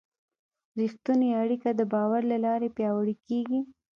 رښتونې اړیکه د باور له لارې پیاوړې کېږي.